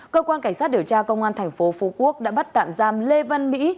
cơ quan cảnh sát điều tra công an thành phố phú quốc đã bắt tạm giam lê văn mỹ